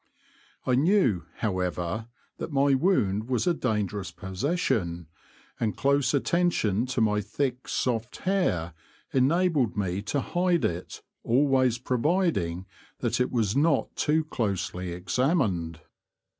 I knew, however, that my wound was a dangerous possession, and close attention to my thick, soft hair, enabled me to hide it, al ways providing that it was not too closely examined.